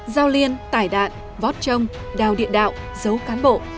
giao liên tải đạn vót trông đào địa đạo giấu cán bộ